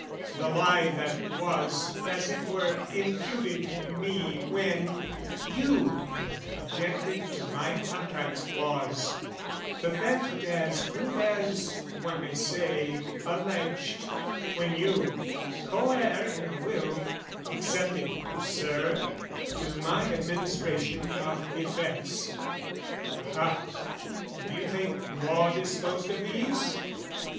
The lie that was, as it were, imputed me When you objected to my contract's clause, The theft as good as, one may say, alleged, When you, co heir in a will, excepted, Sir, To my administration of effects, Aha, do you think law disposed of these?